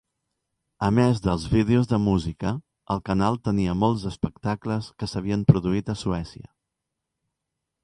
A més dels vídeos de música, el canal tenia molts espectacles que s'havien produït a Suècia.